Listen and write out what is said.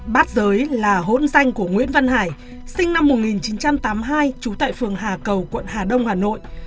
bát giới là hỗn danh của nguyễn văn hải sinh năm một nghìn chín trăm tám mươi hai trú tại phường hà cầu quận hà đông hà nội